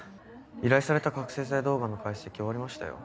依頼された覚せい剤動画の解析終わりましたよ。